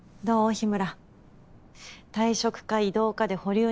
日村。